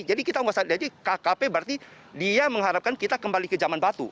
jadi kkp berarti dia mengharapkan kita kembali ke zaman batu